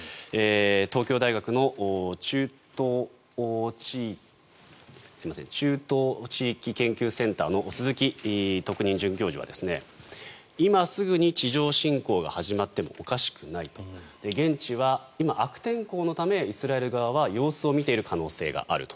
東京大学の中東地域研究センターの鈴木特任准教授は今すぐに地上侵攻が始まってもおかしくない現地は今、悪天候のためイスラエル側は様子を見ている可能性があると。